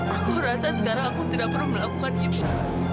aku rasa sekarang aku tidak pernah melakukan itu